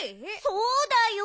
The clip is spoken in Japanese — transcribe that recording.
そうだよ。